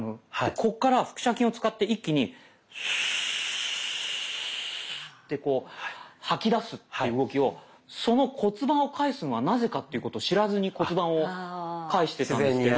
こっから腹斜筋を使って一気にスーッてこう吐き出すという動きをその骨盤をかえすのがなぜかっていうことを知らずに骨盤をかえしてたんですけど。